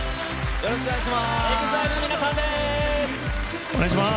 よろしくお願いします。